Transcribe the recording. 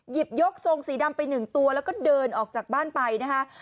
ยกทรงสีดำไปหนึ่งตัวแล้วก็เดินออกจากบ้านไปนะคะ